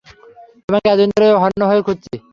তোমাকে এতদিন ধরে হন্যে হয়ে খুঁজছি!